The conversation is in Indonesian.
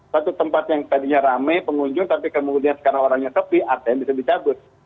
satu tempat yang tadinya rame pengunjung tapi kemudian sekarang orangnya sepi atm bisa dicabut